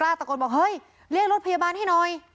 ตะโกนบอกเฮ้ยเรียกรถพยาบาลให้หน่อย